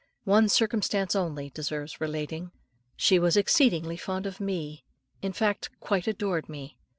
One circumstance only deserves relating. She was exceedingly fond of me, in fact quite adored me.